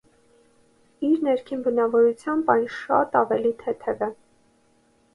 Իր ներքին բնավորությամբ այն շատ ավելի թեթև է։